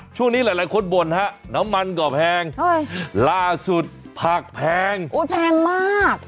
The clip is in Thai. ช่วงนี้หลายคนบ่นฮะน้ำมันก็แพงล่าสุดผักแพงโอ้แพงมาก